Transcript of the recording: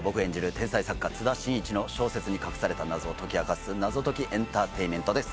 天才作家津田伸一の小説に隠された謎を解き明かす謎解きエンターテインメントです。